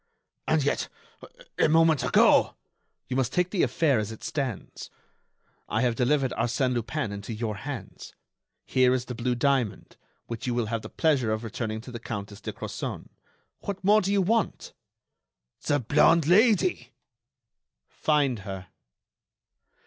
"And yet, a moment ago——" "You must take the affair as it stands. I have delivered Arsène Lupin into your hands. Here is the blue diamond, which you will have the pleasure of returning to the Countess de Crozon. What more do you want?" "The blonde Lady." "Find her."